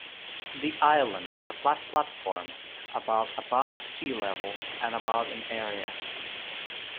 The island is a flat platform about above sea level and about in area.